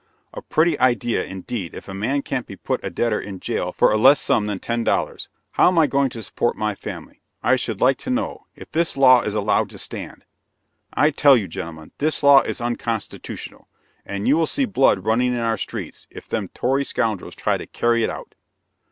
A pretty idea, indeed, if a man can't put a debtor in jail for a less sum than ten dollars! How am I going to support my family, I should like to know, if this law is allowed to stand? I tell you, gentlemen, this law is unconstitutional, and you will see blood running in our streets, if them tory scoundrels try to carry it out!"